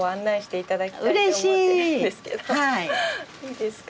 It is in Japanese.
いいですか？